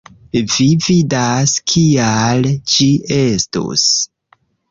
Vi vidas kial ĝi estus